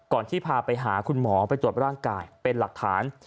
ที่พาไปหาคุณหมอไปตรวจร่างกายเป็นหลักฐาน